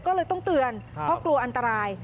ก็เลยต้องเตือนเพราะกลัวอันตราย